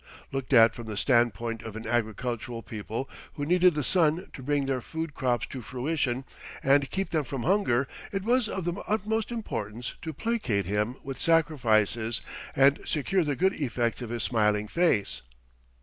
Looked at from the standpoint of an agricultural people who needed the sun to bring their food crops to fruition and keep them from hunger, it was of the utmost importance to placate him with sacrifices and secure the good effects of his smiling face.